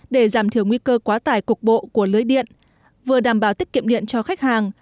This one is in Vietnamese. để giảm thiểu nguy cơ quá tải cục bộ của lưới điện vừa đảm bảo tiết kiệm điện cho khách hàng